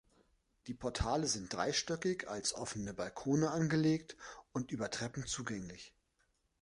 Die Portale sind dreistöckig als offene Balkone angelegt und über Treppen zugänglich.